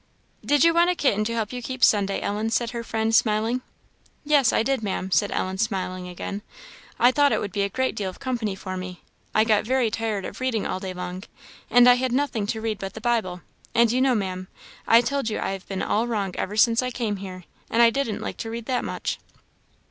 "Did you want a kitten to help you keep Sunday, Ellen?" said her friend, smiling. "Yes, I did, Maam," said Ellen, smiling again. "I thought it would be a great deal of company for me. I got very tired of reading all day long, and I had nothing to read but the Bible; and you know, Maam, I told you I have been all wrong ever since I came here, and I didn't like to read that much."